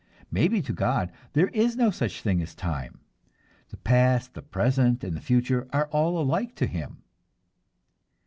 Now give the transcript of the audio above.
Maybe to God there is no such thing as time; the past, the present, and the future are all alike to Him.